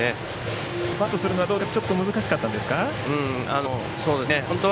バントするのはちょっと難しかったんですか。